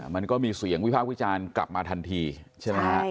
มันก็มีเสียงวิพากษ์วิจารณ์กลับมาทันทีใช่ไหมฮะ